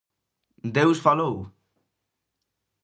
Deus falou!